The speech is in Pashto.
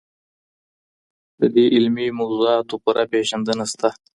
د دې علمي موضوعاتو پوره پیژندنه سته.